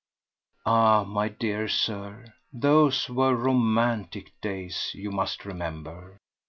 Ah, my dear Sir, those were romantic days, you must remember!